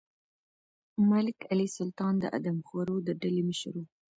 ملک علي سلطان د آدمخورو د ډلې مشر و.